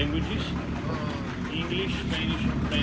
inggris bahasa dan bahasa venesia